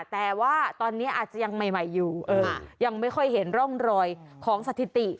แต่ว่าตอนนี้อาจจะยังใหม่อยู่ยังไม่ค่อยเห็นร่องรอยของสถิติ